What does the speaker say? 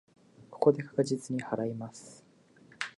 ここで確実に祓います。